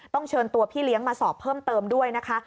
เชิญตัวพี่เลี้ยงมาสอบเพิ่มเติมด้วยนะคะ